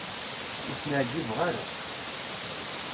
Ur ten-ɛjibeɣ ara.